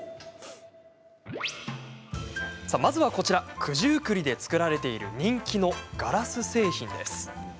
まずはこちら九十九里で作られている人気のガラス製品です。